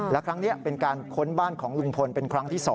และครั้งนี้เป็นการค้นบ้านของลุงพลเป็นครั้งที่๒